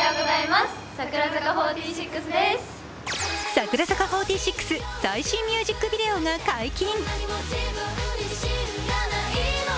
櫻坂４６、最新ミュージックビデオが解禁。